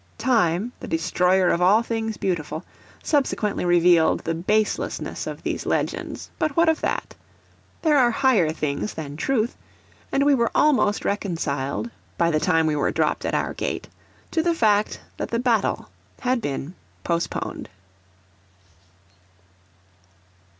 Time, the destroyer of all things beautiful, subsequently revealed the baselessness of these legends; but what of that? There are higher things than truth; and we were almost reconciled, by the time we were dropped at our gate, to the fact that the battle had been postponed.